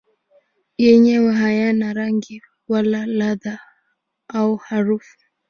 Yenyewe hayana rangi wala ladha au harufu.